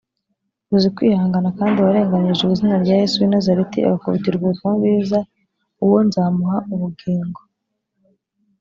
Uzi kwihangana kandi warenganirijwe izina rya Yesu w’I Nazareti agakubitirwa ubutumwa bwiza uwo nzamuha ubugingo.